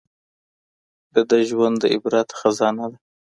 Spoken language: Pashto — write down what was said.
د ده ژوند د عبرت خزانه ده